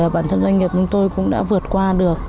bản thân doanh nghiệp chúng tôi cũng đã vượt qua được